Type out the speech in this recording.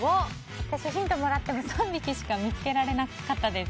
私、ヒントをもらっても３匹しか見つけられなかったです。